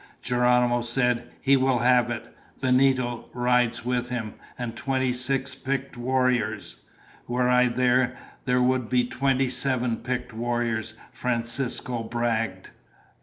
Geronimo said, "He will have it. Benito rides with him, and twenty six picked warriors." "Were I there, there would be twenty seven picked warriors," Francisco bragged.